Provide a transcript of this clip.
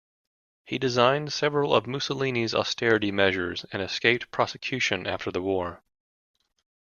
He designed several of Mussolini's austerity measures and escaped prosecution after the war.